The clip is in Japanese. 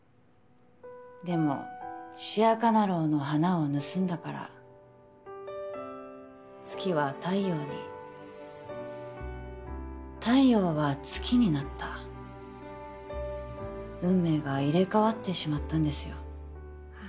でもシヤカナローの花を盗んだから月は太陽に太陽は月になった運命が入れ替わってしまったんですよ